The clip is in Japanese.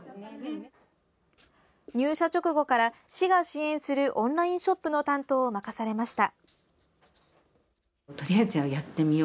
入社直後から、市が支援するオンラインショップの担当を任されました。